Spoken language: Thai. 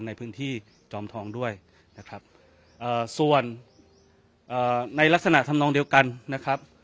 ในพื้นที่จอมทองด้วยนะครับส่วนในลักษณะทำนองเดียวกันนะครับ